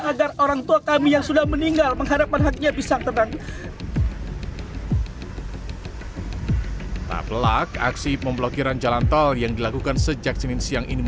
agar orang tua kami yang sudah meninggal menghadapkan hatinya bisa tenang